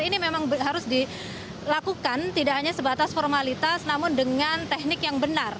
ini memang harus dilakukan tidak hanya sebatas formalitas namun dengan teknik yang benar